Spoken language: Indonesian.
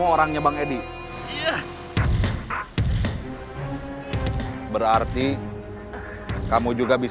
uang kalau cowok buddha selalu melukis